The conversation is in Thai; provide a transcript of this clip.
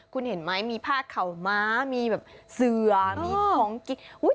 คุณเห็นไหมมีผ้าข่าวม้ามีแบบเสือมีของกิน